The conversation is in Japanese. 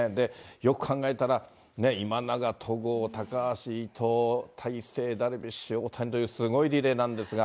よく考えたら、ねっ、今永、戸郷、高橋、伊藤、大勢、ダルビッシュ、大谷というすごいリレーなんですが。